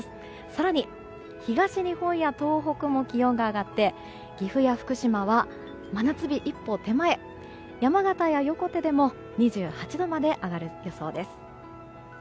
更に、東日本や東北も気温が上がって岐阜や福島は真夏日一歩手前山形や横手でも２８度まで上がる予想です。